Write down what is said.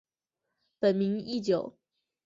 本名义久。